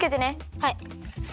はい。